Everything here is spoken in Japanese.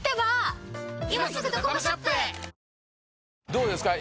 どうですか？